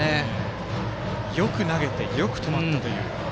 よく投げて、よく止まったという。